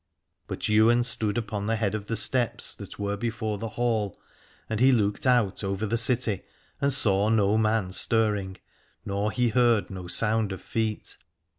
But Ywain stood upon the head of the steps that were before the Hall, and he looked out over the city and saw no man stirring, nor he heard no sound of feet.